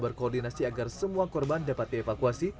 untuk koordinasi agar semua korban dapat dievakuasi